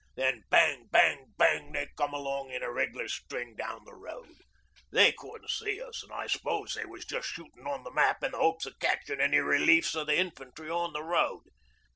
Then Bang Bang Bang they come along in a reg'lar string down the road. They couldn't see us, an' I suppose they was just shooting on the map in the hopes o' catching any reliefs o' the infantry on the road.